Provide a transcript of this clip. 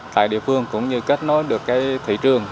tại địa phương cũng như kết nối được cái thị trường